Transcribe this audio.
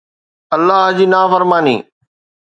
الله جي نافرماني